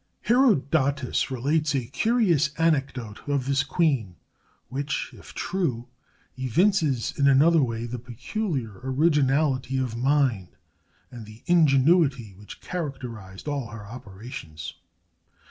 Herodotus relates a curious anecdote of this queen, which, if true, evinces in another way the peculiar orig inality of mind and the ingenuity which characterized all her operations.